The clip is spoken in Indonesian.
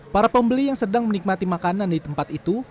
para pembeli yang sedang menikmati makanan di tempat itu